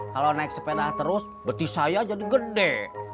kalau naik sepeda terus beti saya jadi gede